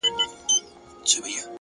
دا ستا په ياد كي بابولاله وايم-